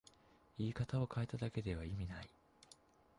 言い方を変えただけで意味はない